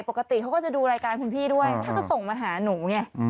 ปกติเขาก็จะดูรายการคุณพี่ด้วยเขาจะส่งมาหาหนูไง